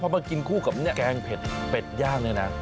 พอมากินคู่กับแกงเผ็ดเป็ดย่างเนี่ยนะ